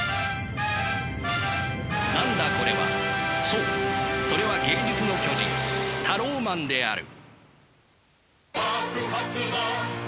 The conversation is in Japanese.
そうそれは芸術の巨人タローマンである。